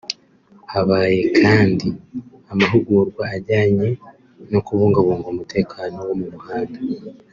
Habaye kandi amahugurwa ajyanye no kubungabunga umutekano wo mu muhanda